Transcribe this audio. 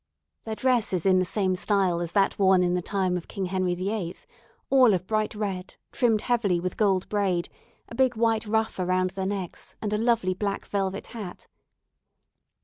Their dress is in the same style as that worn in the time of King Henry VIII.: all of bright red, trimmed heavily with gold braid, a big white ruff around their necks, and a lovely black velvet hat.